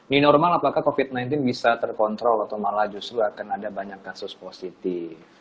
new normal apakah covid sembilan belas bisa terkontrol atau malah justru akan ada banyak kasus positif